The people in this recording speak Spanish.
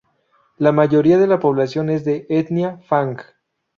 La mayoría de la población es de etnia fang.